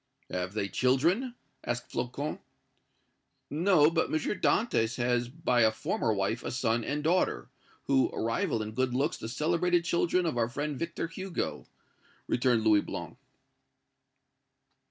"Have they children?" asked Flocon. "No; but M. Dantès has by a former wife a son and daughter, who rival in good looks the celebrated children of our friend Victor Hugo," returned Louis Blanc.